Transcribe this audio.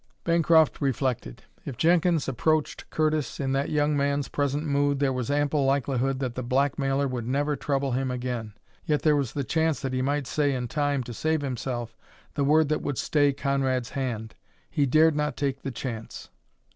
Bancroft reflected. If Jenkins approached Curtis in that young man's present mood there was ample likelihood that the blackmailer would never trouble him again. Yet there was the chance that he might say in time to save himself the word that would stay Conrad's hand. He dared not take the chance.